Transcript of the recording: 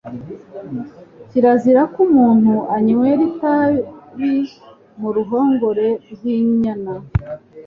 Kirazira ko umuntu anywera itabi mu ruhongore rw’inyana,